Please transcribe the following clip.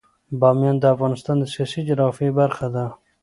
بامیان د افغانستان د سیاسي جغرافیه برخه ده.